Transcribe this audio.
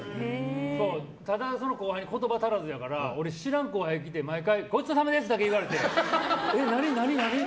ただ、その後輩言葉足らずだから知らん後輩が来て毎回、ごちそうさまでしただけ言われて何？何？